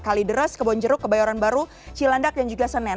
kalideres kebonjeruk kebayoran baru cilandak dan juga senen